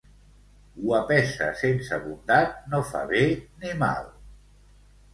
Guapesa sense bondat no fa bé ni mal.